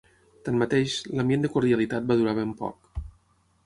Tanmateix, l’ambient de cordialitat va durar ben poc.